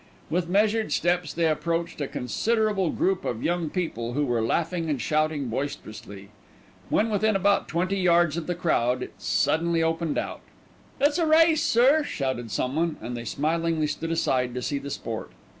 With measured steps they approached a considerable group of young people who were laughing and shouting boisterously. When within about twenty yards of the crowd it suddenly opened out. "It's a race, sir," shouted someone, and they smilingly stood aside to see the sport.